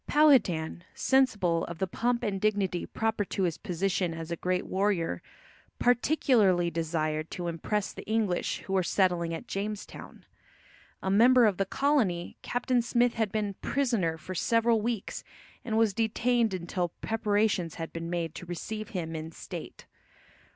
Powhatan, sensible of the pomp and dignity proper to his position as a great warrior, particularly desired to impress the English who were settling at Jamestown. A member of the colony, Captain Smith had been prisoner for several weeks and was detained until preparations had been made to receive him in state.